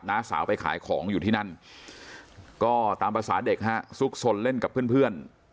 สาวไปขายของอยู่ที่นั่นก็ตามภาษาเด็กฮะซุกสนเล่นกับเพื่อน